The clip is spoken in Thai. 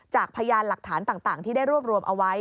พยานหลักฐานต่างที่ได้รวบรวมเอาไว้